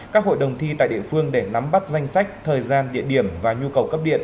các hội đồng thi tại địa phương để nắm bắt danh sách thời gian địa điểm và nhu cầu cấp điện